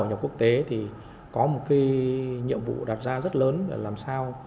vào nhóm quốc tế thì có một cái nhiệm vụ đặt ra rất lớn là làm sao